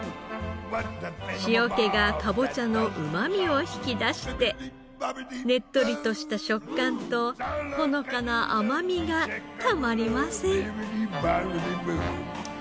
塩気がかぼちゃのうまみを引き出してねっとりとした食感とほのかな甘みがたまりません。